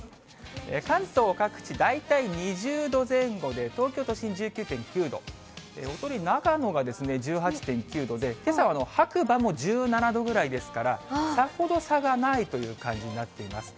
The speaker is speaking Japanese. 関東各地、大体２０度前後で、東京都心１９．９度、長野が１８．９度で、けさは白馬も１７度ぐらいですから、さほど差がないという感じになっています。